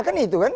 kan itu kan